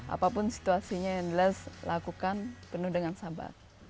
apapun situasinya yang jelas lakukan penuh dengan sabar